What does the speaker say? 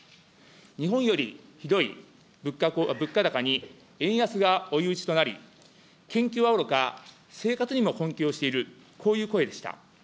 日本よりひどい物価高に円安が追い打ちとなり、研究はおろか、生活にも困窮をしている、こういう声でした。